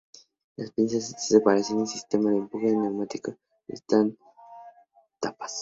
Las pinzas de separación y un sistema de empuje neumático separan las etapas.